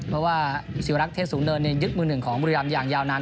เพราะว่าศิวรักษ์เทศสูงเนินยึดมือหนึ่งของบุรีรำอย่างยาวนาน